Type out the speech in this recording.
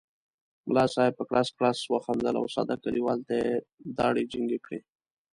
ملا صاحب په کړس کړس وخندل او ساده کلیوال ته یې داړې جینګې کړې.